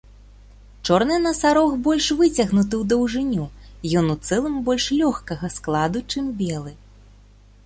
Чорны насарог больш выцягнуты ў даўжыню, ён у цэлым больш лёгкага складу, чым белы.